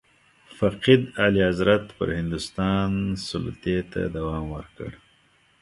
فقید اعلیحضرت پر هندوستان سلطې ته دوام ورکړ.